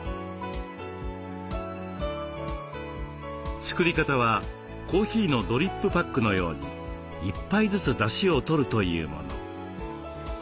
作り方はコーヒーのドリップパックのように１杯ずつだしをとるというもの。